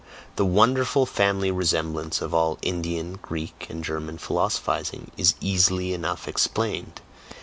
The wonderful family resemblance of all Indian, Greek, and German philosophizing is easily enough explained.